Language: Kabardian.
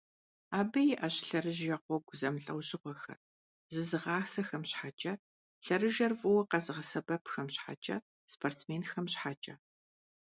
Абы иIэщ лъэрыжэ гъуэгу зэмылIэужьыгъуэхэр: зезыгъасэхэм щхьэкIэ, лъэрыжэр фIыуэ къэзыгъэсэбэпхэм щхьэкIэ, спортсменхэм щхьэкIэ.